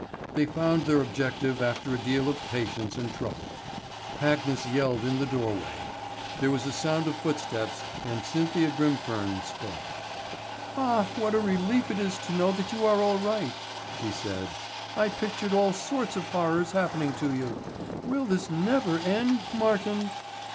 They found their objective after a deal of patience and trouble. Hackness yelled in the doorway. There was a sound of footsteps and Cynthia Grimfern spoke. "Ah, what a relief it is to know that you are all right," she said. "I pictured all sorts of horrors happening to you. Will this never end, Martin?"